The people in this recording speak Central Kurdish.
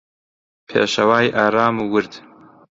پێشەوای ئارام و ورد